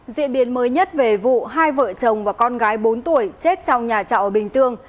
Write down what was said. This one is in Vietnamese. diễn biến mới nhất về vụ hai vợ chồng và con gái bốn tuổi chết trong nhà trọ ở bình dương